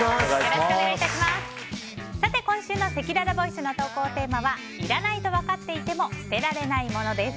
今週のせきららボイスの投稿テーマはいらないとわかっていても捨てられないものです。